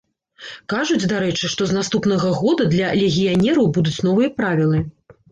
Кажуць, дарэчы, што з наступнага года для легіянераў будуць новыя правілы.